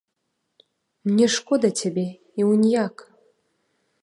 Мне шкода цябе і унь як!